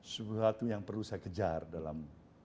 sesuatu yang perlu saya kejar dalam